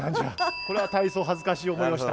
これは大層恥ずかしい思いをした。